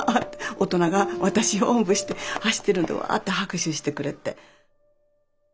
大人が私をおんぶして走ってるのをわって拍手してくれて。